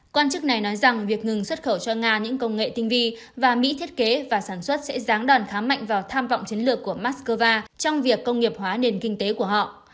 quan chức này nói rằng việc ngừng xuất khẩu cho nga những công nghệ tinh vi và mỹ thiết kế và sản xuất sẽ ráng đòn khá mạnh vào tham vọng chiến lược của moscow trong việc công nghiệp hóa nền kinh tế của họ